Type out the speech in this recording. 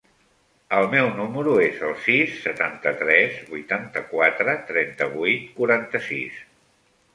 El meu número es el sis, setanta-tres, vuitanta-quatre, trenta-vuit, quaranta-sis.